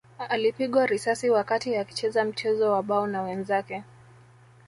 Alipigwa risasi wakati akicheza mchezo wa bao na wenzake